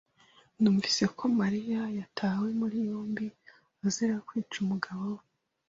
Numvise ko Mariya yatawe muri yombi azira kwica umugabo we.